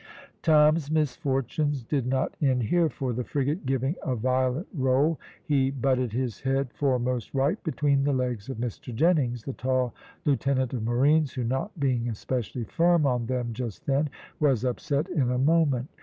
Tom's misfortunes did not end here, for the frigate giving a violent roll he butted head foremost right between the legs of Mr Jennings, the tall lieutenant of marines, who not being especially firm on them just then, was upset in a moment.